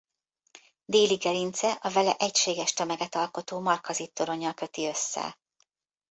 Déli gerince a vele egységes tömeget alkotó Markazit-toronnyal köti össze.